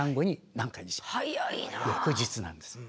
翌日なんです。